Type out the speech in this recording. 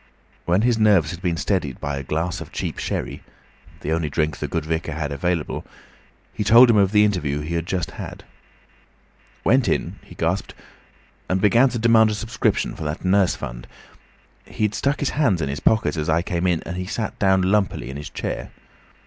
When his nerves had been steadied by a glass of cheap sherry—the only drink the good vicar had available—he told him of the interview he had just had. "Went in," he gasped, "and began to demand a subscription for that Nurse Fund. He'd stuck his hands in his pockets as I came in, and he sat down lumpily in his chair.